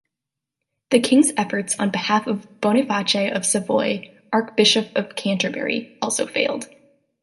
The king' efforts on behalf of Boniface of Savoy, Archbishop of Canterbury, also failed.